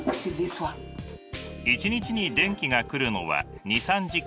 一日に電気が来るのは２３時間。